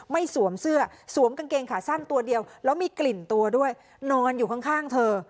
สวมเสื้อสวมกางเกงขาสั้นตัวเดียวแล้วมีกลิ่นตัวด้วยนอนอยู่ข้างเธอ